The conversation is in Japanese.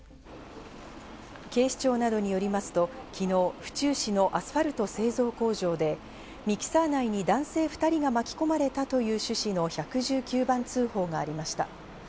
警視庁などによりますと、昨日、府中市のアスファルト製造工場でミキサー内に男性２人が巻き込まれたという趣旨の１１９番通報がありました。